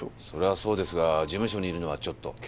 それはそうですが事務所にいるのはちょっと。